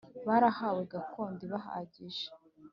Barahawe gakondo ibahagije